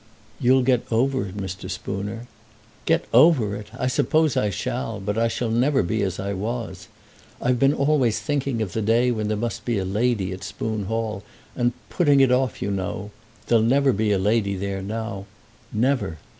"You'll get over it, Mr. Spooner." "Get over it! I suppose I shall; but I shall never be as I was. I've been always thinking of the day when there must be a lady at Spoon Hall, and putting it off, you know. There'll never be a lady there now; never.